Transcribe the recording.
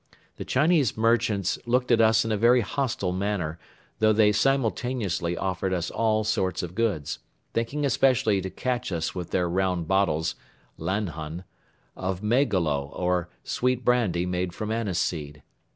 The Chinese merchants looked at us in a very hostile manner though they simultaneously offered us all sorts of goods, thinking especially to catch us with their round bottles (lanhon) of maygolo or sweet brandy made from aniseed.